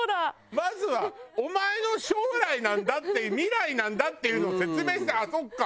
まずは「お前の将来なんだ」って「未来なんだ」っていうのを説明してあっそうか。